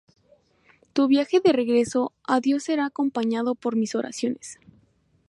Tu viaje de regreso a Dios será acompañado por mis oraciones.